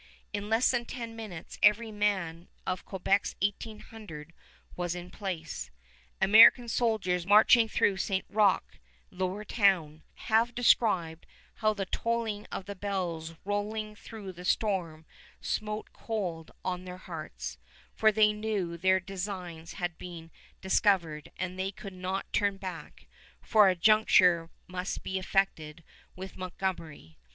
In less than ten minutes every man of Quebec's eighteen hundred was in place. American soldiers marching through St. Roch, Lower Town, have described how the tolling of the bells rolling through the storm smote cold on their hearts, for they knew their designs had been discovered, and they could not turn back, for a juncture must be effected with Montgomery.